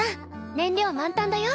燃料満タンだよ。